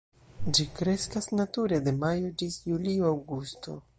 Ĝi kreskas nature de majo ĝis julio, aŭgusto.